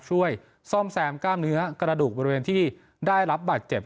ช่วยซ่อมแซมกล้ามเนื้อกระดูกบริเวณที่ได้รับบาดเจ็บ